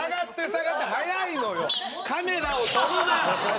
カメラをとるな！